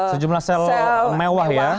sejumlah sel mewah ya